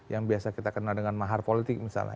yang biasa kita kenal dengan mahar politik misalnya